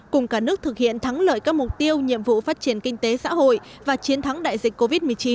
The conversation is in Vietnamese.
cùng cả nước thực hiện thắng lợi các mục tiêu nhiệm vụ phát triển kinh tế xã hội và chiến thắng đại dịch covid một mươi chín